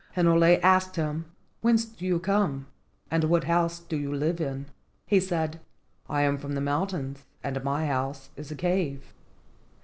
Hinole asked him, "Whence do you come, and what house do you live in?" He said, "I am from the mountains, and my house is a cave."